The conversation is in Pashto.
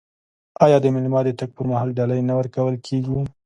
آیا د میلمه د تګ پر مهال ډالۍ نه ورکول کیږي؟